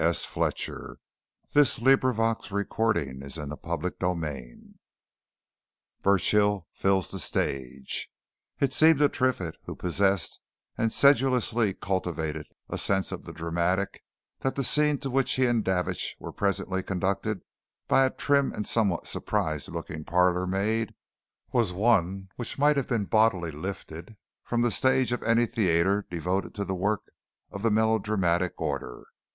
"Take me up," said Davidge, "to Mrs. Engledew's flat." CHAPTER XXXIII BURCHILL FILLS THE STAGE It seemed to Triffitt, who possessed, and sedulously cultivated, a sense of the dramatic, that the scene to which he and Davidge were presently conducted by a trim and somewhat surprised looking parlour maid, was one which might have been bodily lifted from the stage of any theatre devoted to work of the melodramatic order.